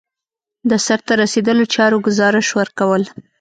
د سرته رسیدلو چارو ګزارش ورکول.